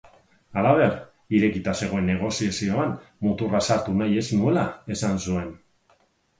Halaber, irekita zegoen negoziazioan muturra sartu nahi ez nuela esan zuen.